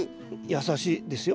優しいですよ。